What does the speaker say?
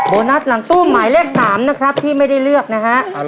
โบนัสหลังตู้หมายเลข๓นะครับที่ไม่ได้เลือกนะฮะ